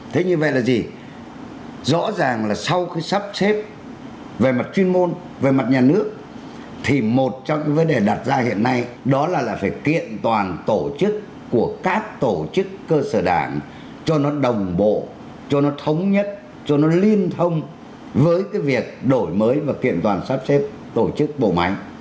thế như vậy là gì rõ ràng là sau khi sắp xếp về mặt chuyên môn về mặt nhà nước thì một trong những vấn đề đặt ra hiện nay đó là phải kiện toàn tổ chức của các tổ chức cơ sở đảng cho nó đồng bộ cho nó thống nhất cho nó liên thông với việc đổi mới và kiện toàn sắp xếp tổ chức bộ máy